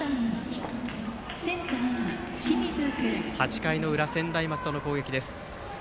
８回の裏、専大松戸の攻撃です。